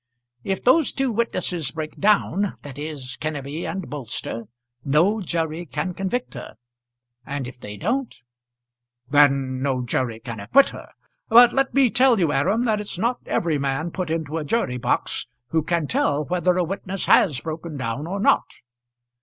"If those two witnesses break down that is, Kenneby and Bolster, no jury can convict her. And if they don't " "Then no jury can acquit her. But let me tell you, Aram, that it's not every man put into a jury box who can tell whether a witness has broken down or not."